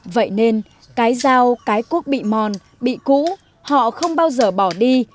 vậy nên cái dao cái cuốc bị mòn bị cũ họ không bao giờ bỏ đi